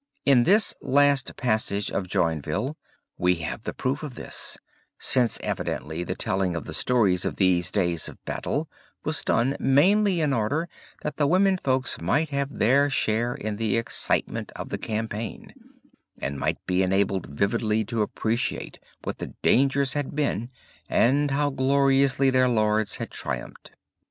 In this last passage of Joinville we have the proof of this, since evidently the telling of the stories of these days of battle was done mainly in order that the women folks might have their share in the excitement of the campaign, and might be enabled vividly to appreciate what the dangers had been and how gloriously their lords had triumphed.